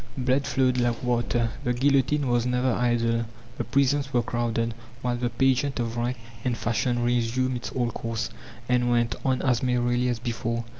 Blood flowed like water, the guillotine was never idle, the prisons were crowded, while the pageant of rank and fashion resumed its old course, and went on as merrily as before.